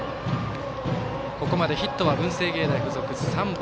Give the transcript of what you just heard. ここまでヒットは文星芸大付属３本。